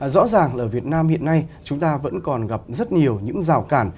rõ ràng ở việt nam hiện nay chúng ta vẫn còn gặp rất nhiều những rào cản